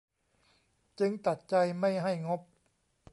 จึงตัดใจไม่ให้งบ